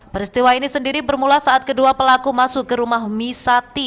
peristiwa ini sendiri bermula saat kedua pelaku masuk ke rumah misati